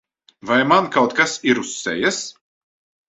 Vai man kaut kas ir uz sejas?